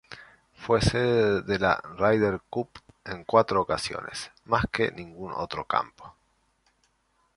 Fue sede de la Ryder Cup en cuatro ocasiones, más que ningún otro campo.